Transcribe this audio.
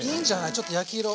ちょっと焼き色。